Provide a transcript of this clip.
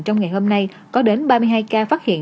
trong ngày hôm nay có đến ba mươi hai ca phát hiện